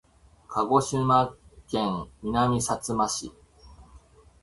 鹿児島県南さつま市